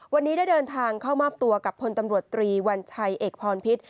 วันนี้ได้เดินทางเข้ามอบตัวกับพลตำรวจตรีวัญชัยเอกพรพิษ